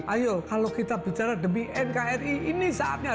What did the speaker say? ayo kalau kita bicara demi nkri ini saatnya